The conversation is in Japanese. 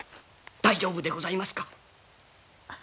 大丈夫でございますか？はあ。